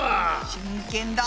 真剣だ！